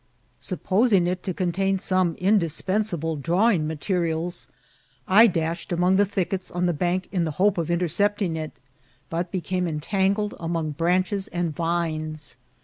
Sup posing it to contain some indispensable drawing mate rials, I dashed among the thickets on the bank in the lis INCIDBNTS or TftATEL. hope of intereeptiag it, but became entan^ed among branekes and Ymes.